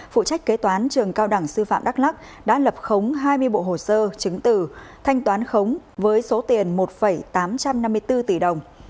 phụ trách kế toán trường cao đẳng sư phạm đắk lắc đã lập khống hai mươi bộ hồ sơ chứng tử thanh toán khống với số tiền một tám trăm năm mươi bốn tỷ đồng